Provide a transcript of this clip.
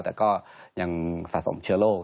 แต่ก็ยังสะสมเชื้อโรค